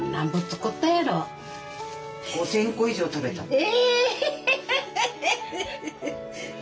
え！